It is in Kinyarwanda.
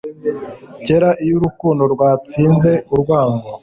kera iyo urukundo rwatsinze urwango